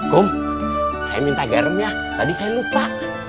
kum saya minta garam ya tadi saya lupa